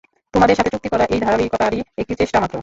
তোমাদের সাথে চুক্তি করা এ ধারাবাহিকতারই একটি চেষ্টা মাত্র।